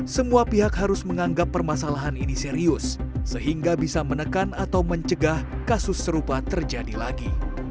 semua pihak harus menganggap permasalahan ini serius sehingga bisa menekan atau mencegah kasus serupa terjadi lagi